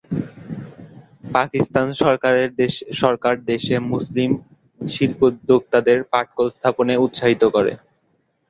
পাকিস্তান সরকার দেশে মুসলিম শিল্পোদ্যোক্তাদের পাটকল স্থাপনে উৎসাহিত করে।